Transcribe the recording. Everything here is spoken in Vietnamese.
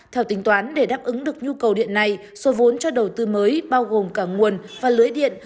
theo tính toán để đáp ứng được nhu cầu điện này số vốn cho đầu tư mới bao gồm cả nguồn và lưới điện